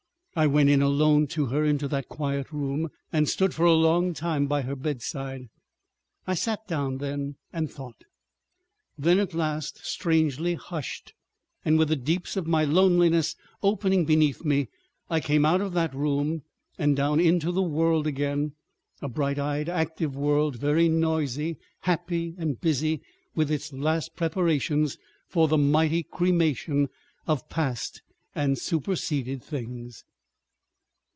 I went in alone to her, into that quiet room, and stood for a long time by her bedside. I sat down then and thought. ... Then at last, strangely hushed, and with the deeps of my loneliness opening beneath me, I came out of that room and down into the world again, a bright eyed, active world, very noisy, happy, and busy with its last preparations for the mighty cremation of past and superseded things.